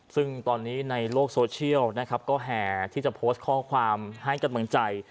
ซึ่งตอนนี้ในโลกโซเชียลนะครับก็แห่ที่จะโพสต์ข้อความให้กำลังใจ